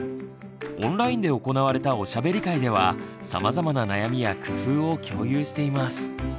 オンラインで行われたおしゃべり会ではさまざまな悩みや工夫を共有しています。